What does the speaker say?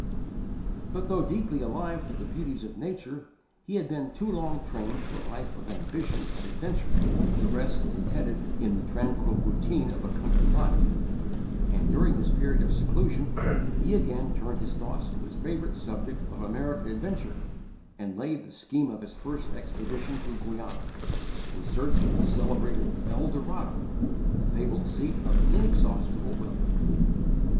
But though deeply alive to the beauties of nature, he had been too long trained to a life of ambition and adventure to rest contented in the tranquil routine of a country life; and during this period of seclusion he again turned his thoughts to his favorite subject of American adventure, and laid the scheme of his first expedition to Guiana, in search of the celebrated El Dorado, the fabled seat of inexhaustible wealth.